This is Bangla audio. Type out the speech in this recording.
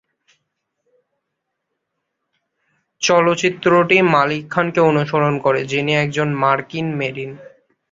চলচ্চিত্রটি মালিক খানকে অনুসরণ করে, যিনি একজন মার্কিন মেরিন।